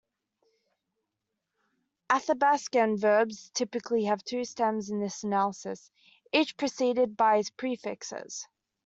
Athabaskan verbs typically have two stems in this analysis, each preceded by prefixes.